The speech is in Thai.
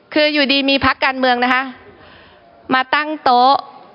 คืออยู่ดีมีพักการเมืองนะคะมาตั้งโต๊ะ